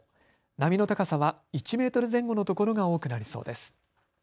波の高さは１メートル前後のところが多くなりそうです。